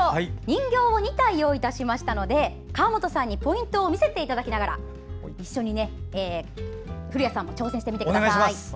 人形を２体用意いたしましたので川本さんにポイントを見せていただきながら一緒に古谷さんも挑戦してみてください。